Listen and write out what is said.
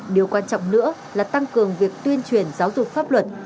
điều quan trọng nữa là tăng cường việc tuyên truyền giáo dục pháp luật